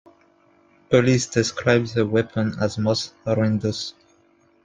Police described the weapon as "most horrendous".